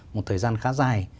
một thời gian khá dài